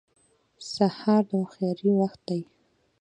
سهار د هوښیارۍ وخت دی.